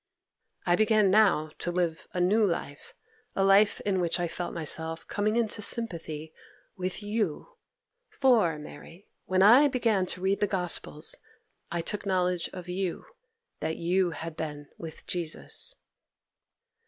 'I began now to live a new life, a life in which I felt myself coming into sympathy with you; for, Mary, when I began to read the gospels I took knowledge of you, that you had been with Jesus.